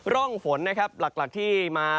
ร่องฝนนะครับหลักที่มา